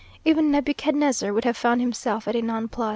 Even Nebuchadnezzar would have found himself at a nonplus.